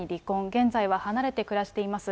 現在は離れて暮らしています。